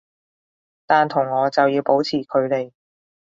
但同我就要保持距離